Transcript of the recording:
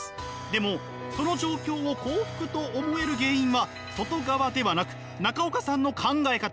でもその状況を幸福と思える原因は外側ではなく中岡さんの考え方。